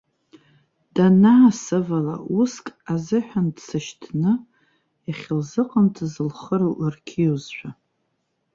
Данаасывала, уск азыҳәан дсышьҭны, иахьылзыҟамҵаз лхы лырқьиозшәа.